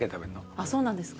あっそうなんですか？